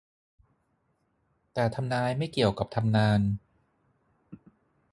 แต่ทำนายไม่เกี่ยวกับทำนาน